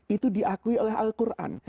itu diakui oleh al quran